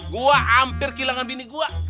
gua hampir kehilangan bini gua